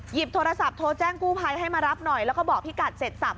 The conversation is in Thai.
โทรศัพท์โทรแจ้งกู้ภัยให้มารับหน่อยแล้วก็บอกพี่กัดเสร็จสับ